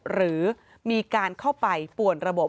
หรือมีการเข้าไปป่วนระบบ